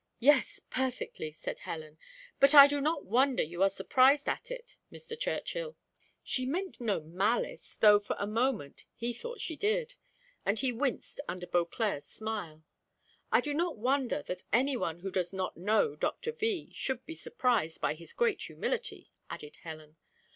"Yes, perfectly!" said Helen; "but I do not wonder you are surprised at it, Mr. Churchill." She meant no malice, though for a moment he thought she did; and he winced under Beauclerc's smile. "I do not wonder that any one who does not know Doctor V should be surprised by his great humility," added Helen.